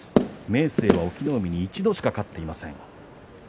明生は隠岐の海に一度しか勝っていません。